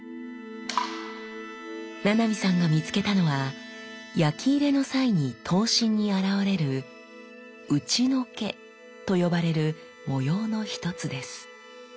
七海さんが見つけたのは焼き入れの際に刀身に現れる打除けと呼ばれる模様の一つです。